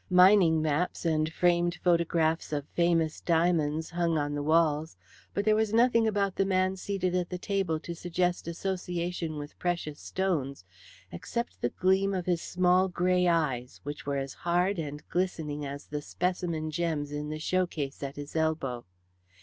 Mining maps and framed photographs of famous diamonds hung on the walls, but there was nothing about the man seated at the table to suggest association with precious stones except the gleam of his small grey eyes, which were as hard and glistening as the specimen gems in the showcase at his elbow.